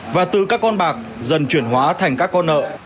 và từ các con bạc dần chuyển hóa thành các con nợ